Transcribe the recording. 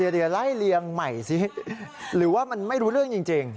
เดี๋ยวไล่เลียงใหม่สิหรือว่ามันไม่รู้เรื่องจริง